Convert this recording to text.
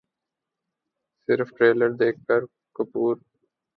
صرف ٹریلر دیکھ کر پوری فلم کو ناپسند کرنا غلط ہے عائشہ عمر